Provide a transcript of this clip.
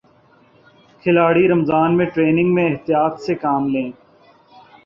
کھلاڑی رمضان میں ٹریننگ میں احتیاط سے کام لیں